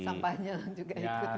sampahnya juga ikut nganggur